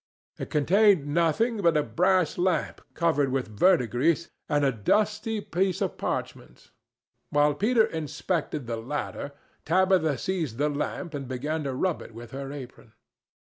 It contained nothing but a brass lamp covered with verdigris, and a dusty piece of parchment. While Peter inspected the latter, Tabitha seized the lamp and began to rub it with her apron.